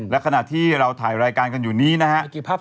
และขณะที่เราถ่ายรายการกันอยู่นี้นะครับ